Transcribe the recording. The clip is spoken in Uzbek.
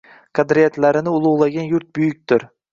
Qadriyatlarini ulug‘lagan yurt buyukdir